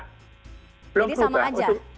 jadi sama saja